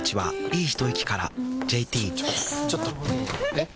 えっ⁉